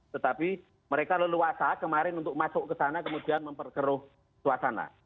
tetapi mereka leluasa kemarin untuk masuk ke sana kemudian memperkeruh suasana